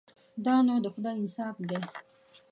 دا نو د خدای انصاف دی.